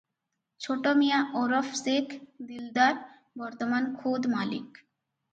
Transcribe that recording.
ଛୋଟ ମିଆଁ ଓରଫ ଶେଖ ଦିଲଦାର ବର୍ତ୍ତମାନ ଖୋଦ୍ ମାଲିକ ।